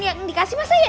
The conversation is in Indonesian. yang dikasih masa ya